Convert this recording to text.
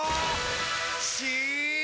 し！